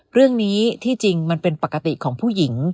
เรื่องนี้ที่จริงมันเป็นปกติของผู้หญิง